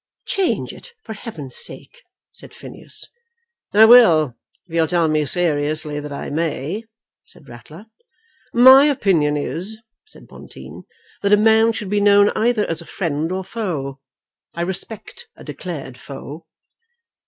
"Change it for heaven's sake," said Phineas. "I will, if you'll tell me seriously that I may," said Ratler. "My opinion is," said Bonteen, "that a man should be known either as a friend or foe. I respect a declared foe."